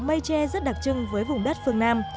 cây tre rất đặc trưng với vùng đất phương nam